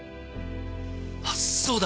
あっそうだ！